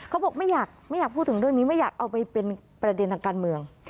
เขาบอกไม่อยากไม่อยากพูดถึงเรื่องนี้ไม่อยากเอาไปเป็นประเด็นทางการเมือง